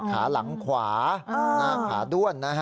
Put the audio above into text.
ขาหลังขวาหน้าขาด้วนนะฮะ